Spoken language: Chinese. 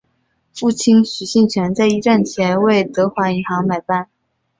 父亲许杏泉在一战前为德华银行买办。